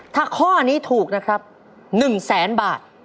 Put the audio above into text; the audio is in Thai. ถ้าข้อนี้ถูก๑แสนบาท